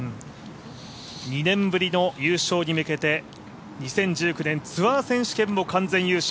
２年ぶりの優勝に向けて２０１９年ツアー選手権も完全優勝。